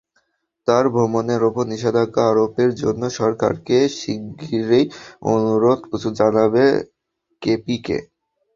তাঁর ভ্রমণের ওপর নিষেধাজ্ঞা আরোপের জন্য সরকারকে শিগগিরই অনুরোধ জানাবে কেপিকে।